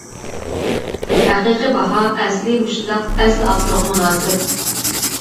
ھەقىقىي باھا ئەسلى مۇشۇنداق ئەسلى ئاپتورغا مۇناسىپ!